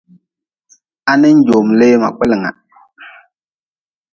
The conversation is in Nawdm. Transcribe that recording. Ha nin joom lee ma kpelnga.